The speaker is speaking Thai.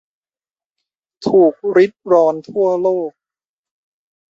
ถูกริดรอนทั่วโลก